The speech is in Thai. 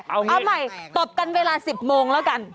เอาใหม่ตบกันเวลา๑๐โมงแล้วกัน